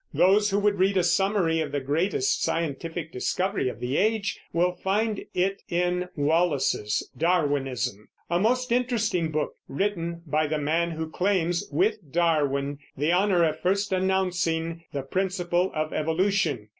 Those who would read a summary of the greatest scientific discovery of the age will find it in Wallace's Darwinism, a most interesting book, written by the man who claims, with Darwin, the honor of first announcing the principle of evolution.